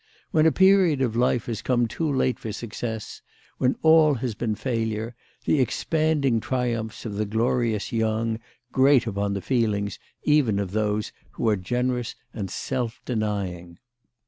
When a period of life has come too late for success, when all has been failure, the expanding triumphs of the glorious young, grate upon the feelings even of those who are generous and self denying.